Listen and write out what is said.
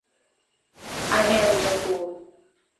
Ahia Njoku